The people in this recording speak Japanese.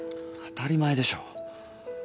当たり前でしょ。